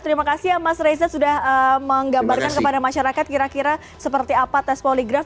terima kasih ya mas reza sudah menggambarkan kepada masyarakat kira kira seperti apa tes poligraf